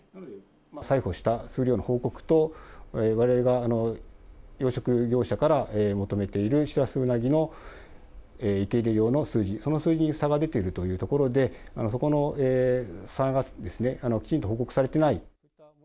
採捕した数量の報告と、われわれが養殖業者から求めているシラスウナギの池入れ量の数字、その数字に差が出ているというところで、そこの差がきちんと報告されてない。